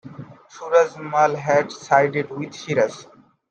Suraj Mal had sided with Siraj.